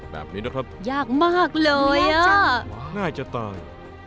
แบบนี้นะครับง่ายจังง่ายจะตายยากมากเลย